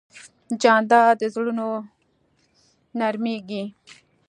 جانداد د زړونو نرمیږي.